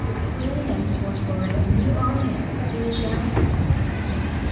Williams was born in New Orleans, Louisiana.